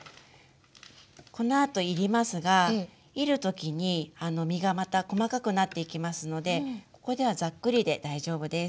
このあといりますがいる時に身がまた細かくなっていきますのでここではザックリで大丈夫です。